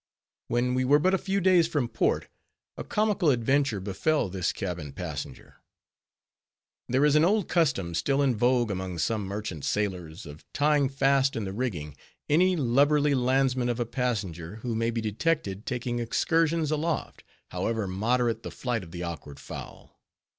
When we were but a few days from port, a comical adventure befell this cabin passenger. There is an old custom, still in vogue among some merchant sailors, of tying fast in the rigging any lubberly landsman of a passenger who may be detected taking excursions aloft, however moderate the flight of the awkward fowl.